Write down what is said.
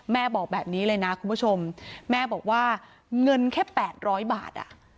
แม่บอกแบบนี้เลยนะคุณผู้ชมแม่บอกว่าเงินแค่๘๐๐บาท